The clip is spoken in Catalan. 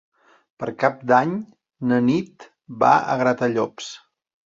Per Cap d'Any na Nit va a Gratallops.